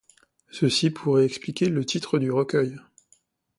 Ceci pourrait expliquer le titre du recueil.